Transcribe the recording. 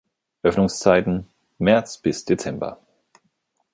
Öffnungszeiten: März bis Dezember.